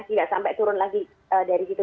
tidak sampai turun lagi dari situ